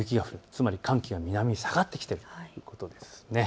つまり寒気が南に下がってきているということです。